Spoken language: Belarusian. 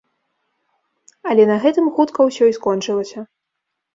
Але на гэтым хутка ўсё і скончылася.